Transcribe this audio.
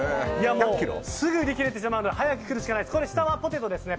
すぐ売り切れてしまうので早く来るしかないですね。